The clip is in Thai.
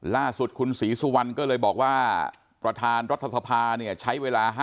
ล่าสุดคุณศรีสุวรรณก็เลยบอกว่าประธานรัฐสภาเนี่ยใช้เวลา๕